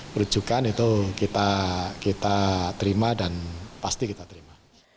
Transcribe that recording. perujukan itu kita terima dan pasti kita terima